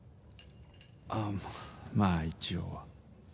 あっ、まあ、一応は。